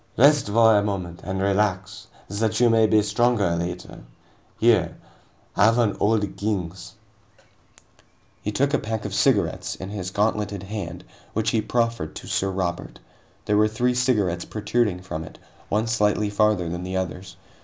"Rest for a moment and relax, that you may be the stronger later. Here have an Old Kings." He had a pack of cigarettes in his gauntleted hand, which he profferred to Sir Robert. There were three cigarettes protruding from it, one slightly farther than the others.